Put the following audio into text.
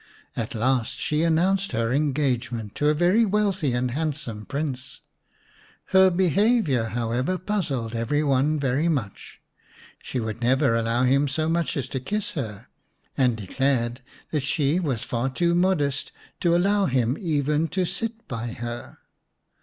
At last she announced her engagement to a very wealthy and handsome Prince. Her behaviour, however, puzzled every one very much. She would never allow him so much as to kiss her, and declared that she was far too modest to allow him even to sit by her.